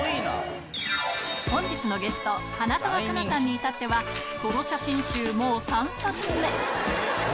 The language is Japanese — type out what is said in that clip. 本日のゲスト、花澤香菜さんに至っては、ソロ写真集もう３冊目。